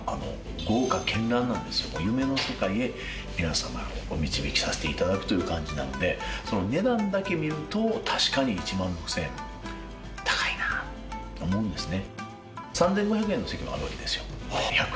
夢の世界へ皆様をお導きさせて頂くという感じなので値段だけ見ると確かに１万６０００円高いなと思うんですね。